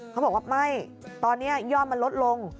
เขาบอกว่าไม่ตอนนี้ยอดมันลดลง